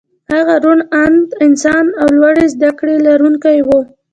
هغه روڼ انده انسان او لوړې زدکړې لرونکی و